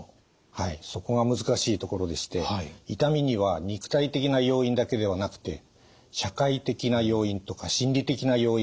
はいそこが難しいところでして痛みには肉体的な要因だけではなくて社会的な要因とか心理的な要因が影響します。